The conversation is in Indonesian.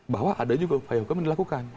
bahwa ada juga upaya hukum yang dilakukan